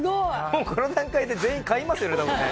もうこの段階で全員買いますよね多分ね。